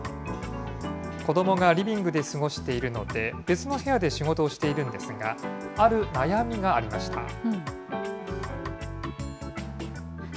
子どもがリビングで過ごしているので、別の部屋で仕事をしているんですが、ある悩みがありました。